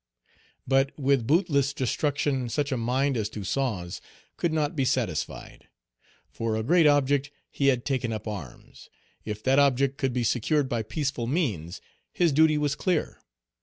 But with bootless destruction such a mind as Toussaint's could not be satisfied. For a great object he had taken up arms; if that object could be secured by peaceful means, his duty was clear.